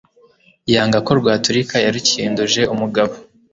Yanga ko rwaturika. Yarukinduje umugabo